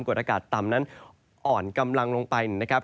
ก็จะมีการแผ่ลงมาแตะบ้างนะครับ